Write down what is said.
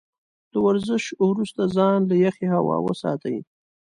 له ورزش وروسته ځان له يخې هوا وساتئ.